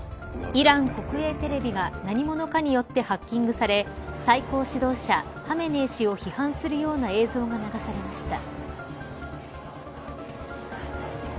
イラン国営テレビが何者かによってハッキングされ最高指導者ハメネイ師を批判するような映像が流されました。